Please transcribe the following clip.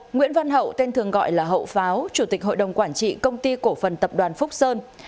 nguyễn văn hậu tên thường gọi là hậu pháo chủ tịch hội đồng quản trị công ty cổ phần tập đoàn phúc sơn